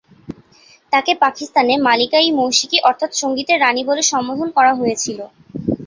তাঁকে পাকিস্তানে ‘মালিকা-ই-মৌশিকি’ অর্থাৎ সঙ্গীতের রাণী বলে সম্বোধন করা হয়েছিল।